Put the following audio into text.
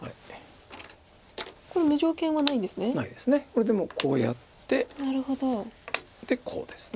これでもこうやってでコウです。